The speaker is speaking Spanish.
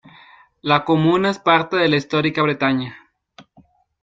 La comuna es parte de la histórica Bretaña.